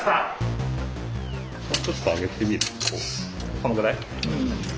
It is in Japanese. このぐらい？